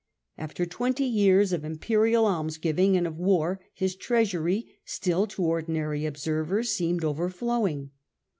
After twenty years of imperial almsgiving and of war his treasury still to ordinary observers seemed overflowing.